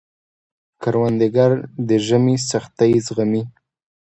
کروندګر د ژمي سختۍ زغمي